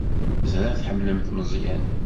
Ẓriɣ tḥemmlemt Meẓyan.